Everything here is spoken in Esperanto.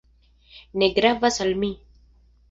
Ne gravas al mi.